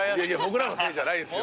僕らのせいじゃないですよ。